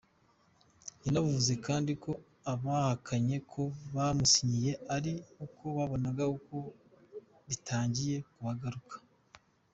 Yanavuze kandi ko abahakanye ko bamusinyiye ari uko babonaga ko bitangiye kubagaruka.